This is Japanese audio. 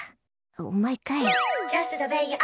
お前かい。